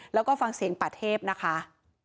แล้วก็ฟังเสียงป่าเทพนะคะ